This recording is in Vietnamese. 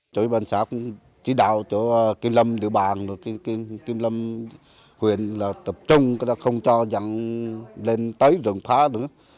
chủ yếu bàn xã cũng chỉ đạo cho kiểm lâm địa bàn kiểm lâm huyện tập trung không cho răng lên tới rừng phá nữa